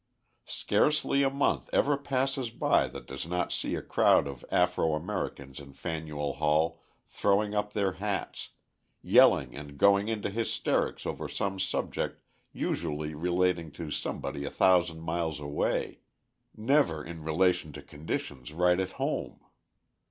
Scarcely a month ever passes by that does not see a crowd of Afro Americans in Faneuil Hall throwing up their hats, yelling and going into hysterics over some subject usually relating to somebody a thousand miles away, never in relation to conditions right at home.